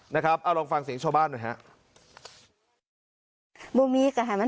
นะครับเอาลองฟังเสียงชาวบ้านหน่อยฮะ